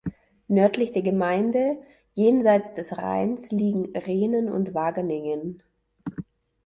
Nördlich der Gemeinde, jenseits des Rheins, liegen Rhenen und Wageningen.